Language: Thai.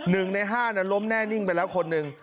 ๑ใน๕ล้มแน่นิ่งไปแล้วคนหนึ่ง